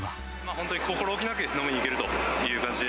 本当に心置きなく飲みに行けるという感じで。